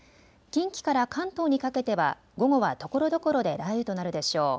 近畿から関東にかけては午後はところどころで雷雨となるでしょう。